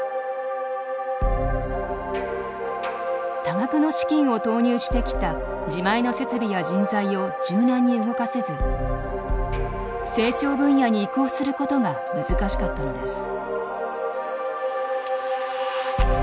多額の資金を投入してきた自前の設備や人材を柔軟に動かせず成長分野に移行することが難しかったのです。